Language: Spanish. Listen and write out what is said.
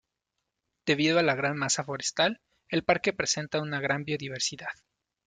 Debido a la gran masa forestal el parque presenta una gran biodiversidad.